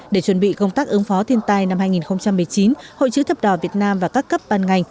để chuẩn bị công tác ứng phó thiên tai năm hai nghìn một mươi chín hội chữ thập đỏ việt nam và các cấp ban ngành